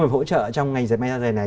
hỗ trợ trong ngành dân may ra dậy này